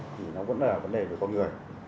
thì nó vẫn là vấn đề của con người